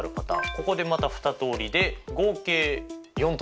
ここでまた２通りで合計４通り。